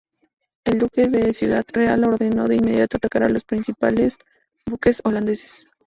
El duque de Ciudad Real ordenó de inmediato atacar a los principales buques holandeses.